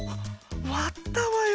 わったわよ